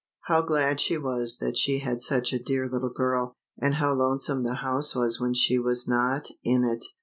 How glad she was that she had such a dear little girl ; and how lonesome the house was when she was not in it